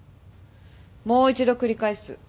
もう一度繰り返す。